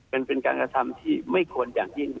มันเป็นการกระทำที่ไม่ควรอย่างยิ่ง